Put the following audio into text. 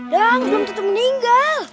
dang belum tentu meninggal